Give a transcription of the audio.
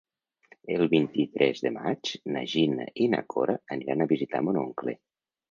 El vint-i-tres de maig na Gina i na Cora aniran a visitar mon oncle.